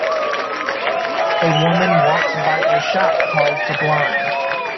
A woman walks by a shop called Sublime.